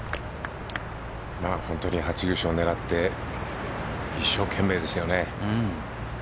本当に初優勝を狙って一生懸命ですよね。